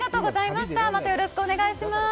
またよろしくお願いします。